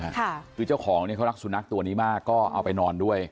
คือเจ้าของเขารักสุดนักตัวนี้มากก็เอาไปนอนด้วย